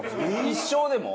一生でも？